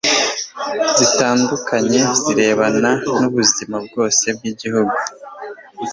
zitandukanye zirebana n'ubuzima bwose bw'igihugu